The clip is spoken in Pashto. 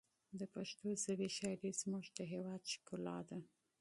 د پښتو ژبې شاعري زموږ د هېواد ښکلا ده.